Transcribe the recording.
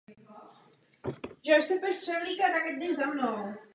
Nedlouho poté byl z téhož obviněn i Bob Weinstein.